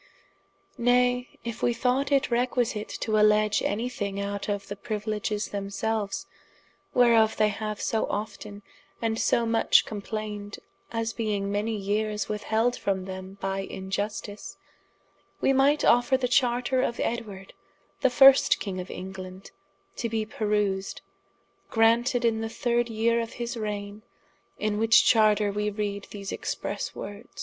] Nay, if wee thought it requisite to alleadge any thing out of the priuiledges themselues, whereof they haue so often, and so much complained, as being many yeeres withheld from them by iniustice, wee might offer the charter of Edward the first king of England, to be perused, granted in the third yere of his raigne: in which charter wee reade these expresse wordes.